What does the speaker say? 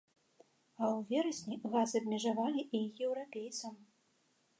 А ў верасні газ абмежавалі і еўрапейцам.